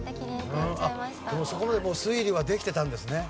でもそこまでもう推理はできてたんですね。